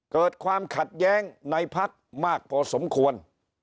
เกิดความขัดแย้งในพักมากพอสมควร